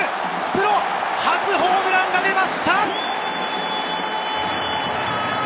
プロ初ホームランが出ました！